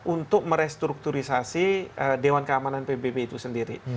untuk merestrukturisasi dewan keamanan pbb itu sendiri